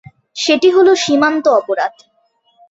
সেটি হলো সীমান্ত অপরাধ।